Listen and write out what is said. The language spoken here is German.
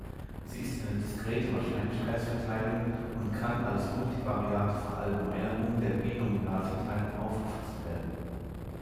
Sie ist eine diskrete Wahrscheinlichkeitsverteilung und kann als multivariate Verallgemeinerung der Binomialverteilung aufgefasst werden.